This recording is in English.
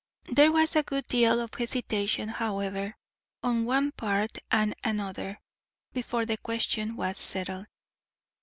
There was a good deal of hesitation, however, on one part and another, before the question was settled.